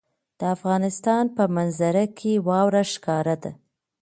د افغانستان په منظره کې واوره ښکاره ده.